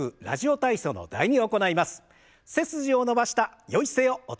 「ラジオ体操第２」。